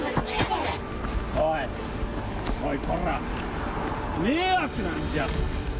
おい、おいこら、迷惑なんじゃ。